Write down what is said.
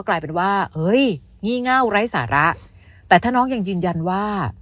กลายเป็นว่าเฮ้ยงี่เง่าไร้สาระแต่ถ้าน้องยังยืนยันว่า